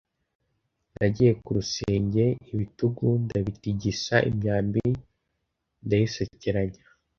Nagiye ku rusenge ibitugu ndabitigisa Imyambi ndayisokeranya